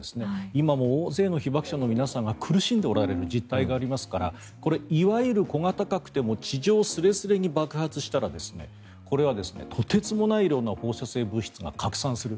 今も大勢の被爆者の皆さんが苦しんでおられる実態がありますからこれいわゆる小型核でも地上すれすれに爆発したらこれはとてつもない量の放射線物質が拡散する。